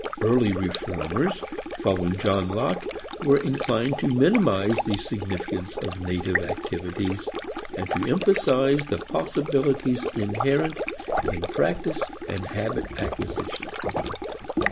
Early reformers, following John Locke, were inclined to minimize the significance of native activities, and to emphasize the possibilities inherent in practice and habit acquisition.